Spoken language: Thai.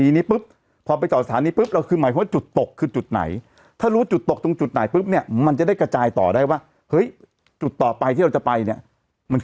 อีบ้าเขาหมายถึงเวลาขึ้นห้อง